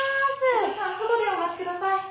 ・お父さん外でお待ちください。